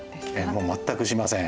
もう全くしません。